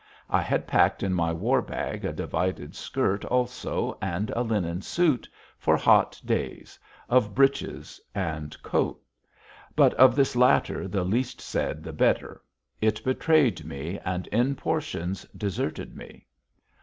I had packed in my warbag a divided skirt also, and a linen suit, for hot days, of breeches and coat. But of this latter the least said the better. It betrayed me and, in portions, deserted me.